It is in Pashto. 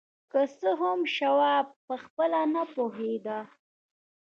که څه هم شواب پخپله نه پوهېده.